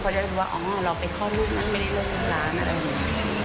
มันก็จะรู้ว่าอ๋อเราไปคอลูกนั่งไม่ได้เรียกร้านอะไรอย่างนี้